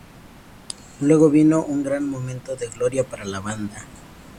Luego vino un gran momento de gloria para la banda.